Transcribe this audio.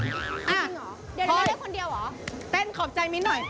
อ่ะพอเลยเดี๋ยวเลือกคนเดียวเหรอเป็นขอบใจมิ้นหน่อย